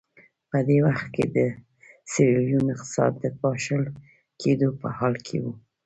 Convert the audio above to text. په دې وخت کې د سیریلیون اقتصاد د پاشل کېدو په حال کې و.